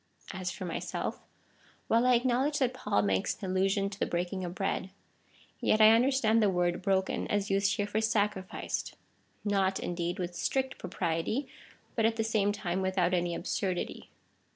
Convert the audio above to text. As for myself — while I acknowledge that Paul makes an allusion to the breaking of bread, yet I understand the word broken as used here for sacrificed — not, indeed, with strict propriety, but at the same time without any absurdity.